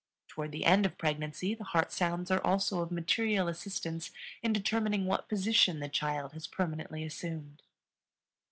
Toward the end of pregnancy the heart sounds are also of material assistance in determining what position the child has permanently assumed.